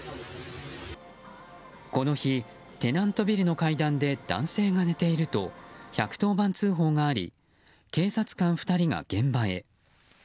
この日、テナントビルの階段で男性が寝ていると１１０番通報があり警察官２人が現場へ。